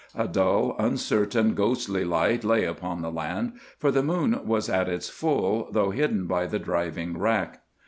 A dull, uncertain, ghostly light lay upon the land, for the moon was at its full, though hidden by the driving wrack.